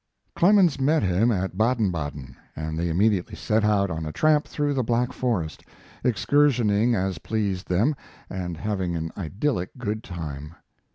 Clemens met him at Baden Baden, and they immediately set out on a tramp through the Black Forest, excursioning as pleased them, and having an idyllic good time.